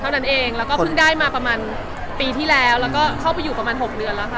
เท่านั้นเองแล้วก็เพิ่งได้มาประมาณปีที่แล้วแล้วก็เข้าไปอยู่ประมาณ๖เดือนแล้วค่ะ